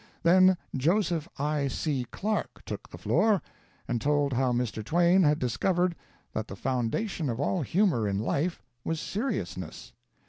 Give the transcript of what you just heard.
Then Joseph I. C. Clarke took the floor, and told how Mr. Twain had discovered that the foundation of all humor in life was seriousness.